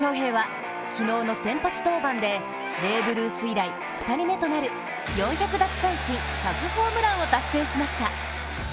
エンゼルスの大谷翔平は昨日の先発登板でベーブ・ルース以来２人目となる４００奪三振１００ホームランを達成しました。